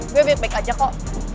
gue baik baik aja kok